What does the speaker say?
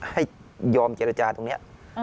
ให้ยอมเจรจาตรงนี้